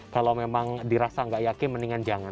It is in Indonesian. kalau memang dirasa gak yakin mendingan jangan